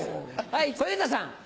小遊三さん。